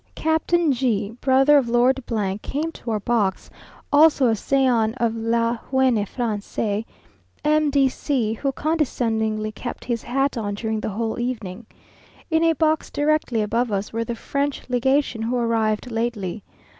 Captain G , brother of Lord , came to our box; also a scion of La jeune France, M. de C , who condescendingly kept his hat on during the whole evening. In a box directly above us were the French legation who arrived lately.